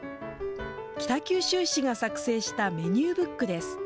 北九州市が作成したメニューブックです。